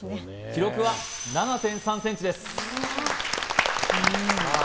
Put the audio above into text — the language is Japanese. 記録は７．３ｃｍですさあ